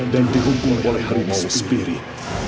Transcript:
dan dihukum oleh harimau spirit